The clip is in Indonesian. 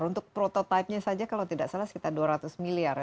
untuk prototipenya saja kalau tidak salah sekitar dua ratus miliar